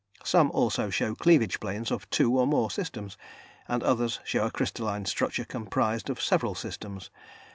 Some also show cleavage planes of two or more systems, and others show a crystalline structure comprised of several systems.